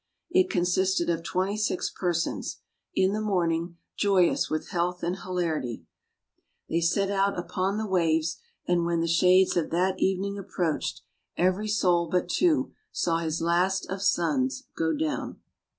It consisted of twenty six persons; in the morning, joyous with health and hilarity, they set out upon the waves, and when the shades of that evening approached, every soul but two saw his last of suns go down.